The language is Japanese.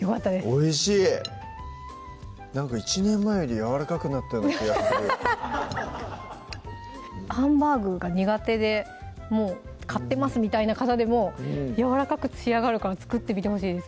おいしいなんか１年前よりやわらかくなったような気がするハンバーグが苦手でもう買ってますみたいな方でもやわらかく仕上がるから作ってみてほしいです